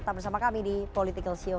tetap bersama kami di political show